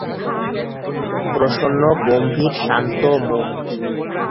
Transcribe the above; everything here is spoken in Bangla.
প্রসন্ন গম্ভীর শান্ত মুখ।